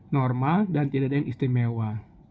normal dan tidak ada yang istimewa